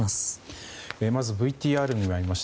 まず、ＶＴＲにもありました